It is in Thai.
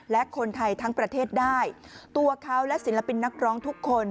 และคนไทยทั้งประเทศได้ตัวเขาและศิลปินนักร้องทุกคน